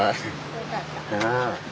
よかった。